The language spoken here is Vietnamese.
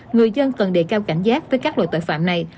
người dân cần đề cao cảnh giác với các loại tội phạm này